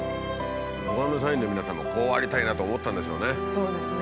ほかの社員の皆さんもこうありたいなと思ったんでしょうね。